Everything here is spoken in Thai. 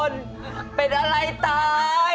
เอาอย่างนี้มันเกิดอะไรขึ้นเนี่ย